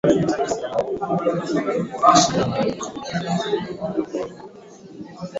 Mipango ambayo husisitiza unywaji uliodhibitiwa huwepo kwa wategemezi wa pombe